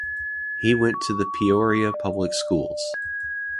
He went to the Peoria public schools.